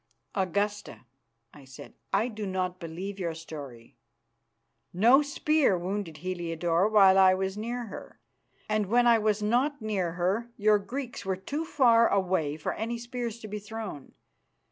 "Augusta," I said, "I do not believe your story. No spear wounded Heliodore while I was near her, and when I was not near her your Greeks were too far away for any spears to be thrown.